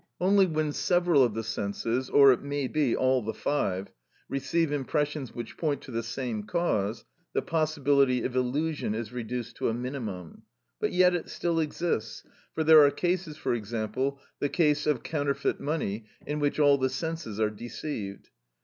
Only when several of the senses, or it may be all the five, receive impressions which point to the same cause, the possibility of illusion is reduced to a minimum; but yet it still exists, for there are cases, for example, the case of counterfeit money, in which all the senses are deceived.